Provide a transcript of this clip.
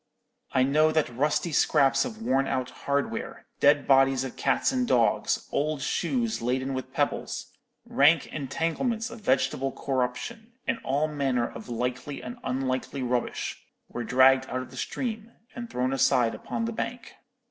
I know that rusty scraps of worn out hardware, dead bodies of cats and dogs, old shoes laden with pebbles, rank entanglements of vegetable corruption, and all manner of likely and unlikely rubbish, were dragged out of the stream, and thrown aside upon the bank.